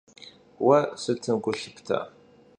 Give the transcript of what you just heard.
Vue sıtım gu lhıpta?